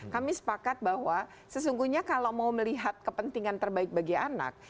kami sepakat bahwa sesungguhnya kalau mau melihat kepentingan terbaik bagi anak